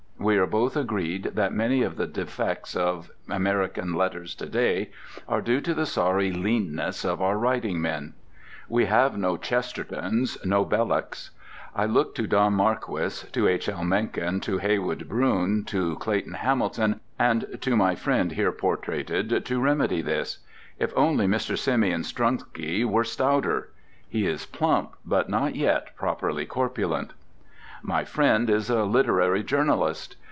We are both agreed that many of the defects of American letters to day are due to the sorry leanness of our writing men. We have no Chestertons, no Bellocs. I look to Don Marquis, to H.L. Mencken, to Heywood Broun, to Clayton Hamilton, and to my friend here portraited, to remedy this. If only Mr. Simeon Strunsky were stouter! He is plump, but not yet properly corpulent. My friend is a literary journalist.